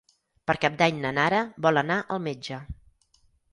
Per Cap d'Any na Nara vol anar al metge.